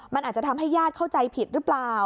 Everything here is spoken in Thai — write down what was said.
มันอาจจะทำให้ญาติเข้าใจผิดหรือเปล่า